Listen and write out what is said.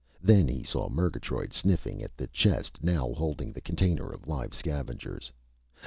Then he saw Murgatroyd sniffing at the chest now holding the container of live scavengers.